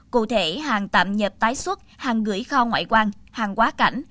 cụ thể hàng tạm nhập tái xuất hàng gửi kho ngoại quan hàng quá cảnh